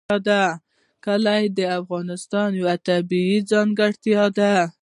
کلي د افغانستان یوه طبیعي ځانګړتیا ده.